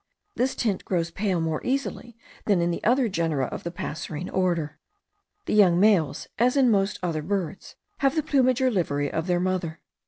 This tint grows pale more easy than in the other genera of the passerine order. The young males, as in most other birds, have the plumage or livery of their mother.